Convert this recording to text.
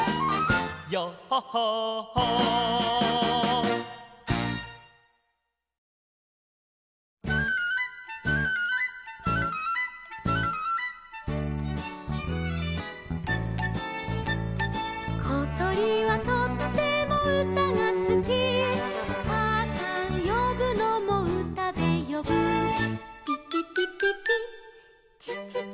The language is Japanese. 「ヨッホッホッホー」「ことりはとってもうたがすき」「かあさんよぶのもうたでよぶ」「ぴぴぴぴぴちちちちち」